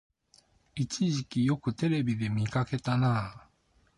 一時期よくテレビで見かけたなあ